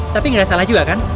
tapi nggak salah juga kan